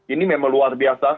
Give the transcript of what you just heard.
ini memang luar biasa